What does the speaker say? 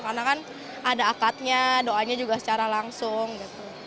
karena kan ada akadnya doanya juga secara langsung gitu